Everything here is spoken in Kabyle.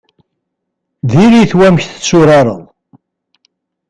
Diri-t wamek i tetturareḍ.